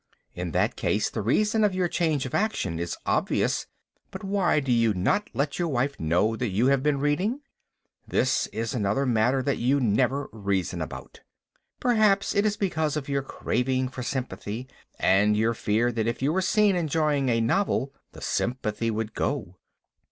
In that case the reason of your change of action is obvious. But why do you not let your wife know that you have been reading? This is another matter that you never reason about. Perhaps, it is because of your craving for sympathy, and you fear that if you were seen enjoying a novel the sympathy would go.